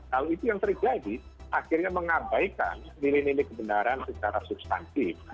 lalu itu yang terjadi akhirnya mengabaikan milik milik kebenaran secara substantif